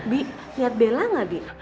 bi liat bella gak bi